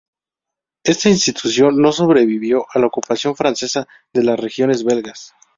Esta institución no sobrevivió a la ocupación francesa de las regiones belgas.